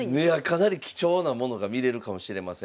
かなり貴重なものが見れるかもしれません。